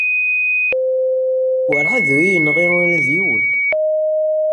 Werɛad ur iyi-yenɣi ula d yiwen.